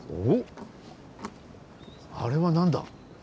あれは何だ？